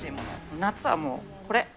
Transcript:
夏はもう、これ。